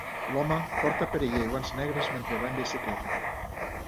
L'home porta perilla i guants negres mentre va en bicicleta